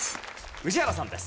宇治原さんです。